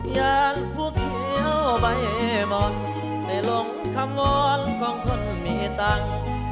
ยานภูเขียวใบมนต์ไปลงคำวอนของคนมีตังค์